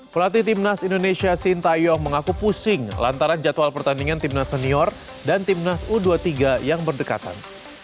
pelatih timnas indonesia sintayong mengaku pusing lantaran jadwal pertandingan timnas senior dan timnas u dua puluh tiga yang berdekatan